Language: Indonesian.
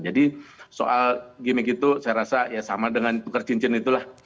jadi soal gimmick itu saya rasa ya sama dengan tukar cincin itulah